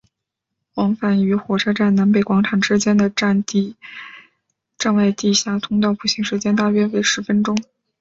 往返于火车站南北广场之间的站外地下通道步行时间大约为十分钟。